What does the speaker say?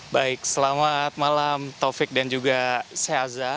baik selamat malam taufik dan juga seaza